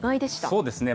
そうですね。